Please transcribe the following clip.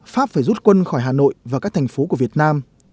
pháp phải rút quân khỏi hà nội và các thành phố của việt nam